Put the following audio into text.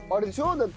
だって